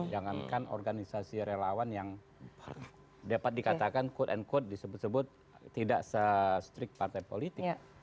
jangankan organisasi relawan yang dapat dikatakan quote and quote disebut sebut tidak se strict partai politik